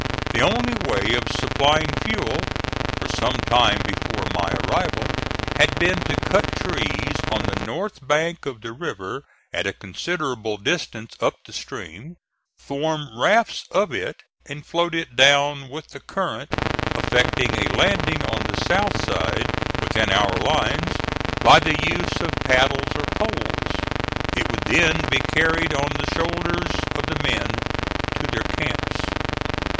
The only way of supplying fuel, for some time before my arrival, had been to cut trees on the north bank of the river at a considerable distance up the stream, form rafts of it and float it down with the current, effecting a landing on the south side within our lines by the use of paddles or poles. It would then be carried on the shoulders of the men to their camps.